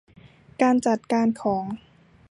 การจัดการของ